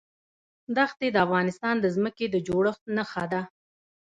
دښتې د افغانستان د ځمکې د جوړښت نښه ده.